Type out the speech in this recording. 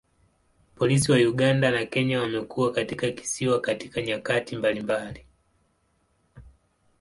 Polisi wa Uganda na Kenya wamekuwa katika kisiwa katika nyakati mbalimbali.